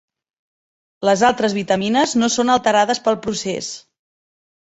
Les altres vitamines no són alterades pel procés.